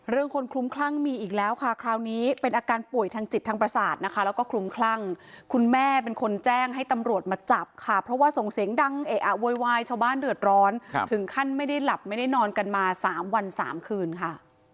คนคลุ้มคลั่งมีอีกแล้วค่ะคราวนี้เป็นอาการป่วยทางจิตทางประสาทนะคะแล้วก็คลุมคลั่งคุณแม่เป็นคนแจ้งให้ตำรวจมาจับค่ะเพราะว่าส่งเสียงดังเอะอะโวยวายชาวบ้านเดือดร้อนถึงขั้นไม่ได้หลับไม่ได้นอนกันมา๓วัน๓คืนค่ะ